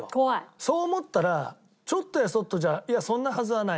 そう思ったらちょっとやそっとじゃいやそんなはずはない。